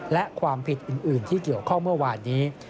และความผิดอื่นที่เกี่ยวข้องเมื่อวานนี้